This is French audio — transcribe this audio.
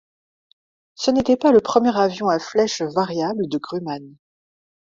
Ce n'était pas le premier avion à flèche variable de Grumman.